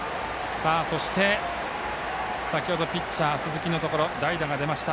そして、先ほどピッチャー、鈴木のところ代打が出ました。